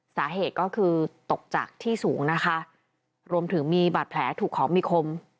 สาเหตุก็คือตกจากที่สูงนะคะรวมถึงมีบาดแผลถูกของมีคม